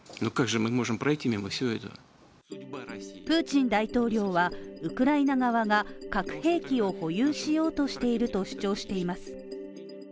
プーチン大統領はウクライナ側が核兵器を保有しようとしていると主張しています。